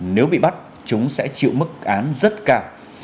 nếu bị bắt chúng sẽ chịu mức án rất cao